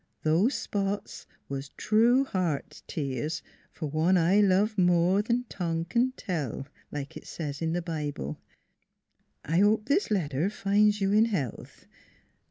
Those spots was true heart tears for one I love more than tongue can tell, like it says in the Bible. I hope this letter finds you in health.